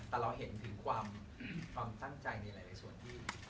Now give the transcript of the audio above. แต่เราเห็นถึงความตั้งใจในหลายส่วนที่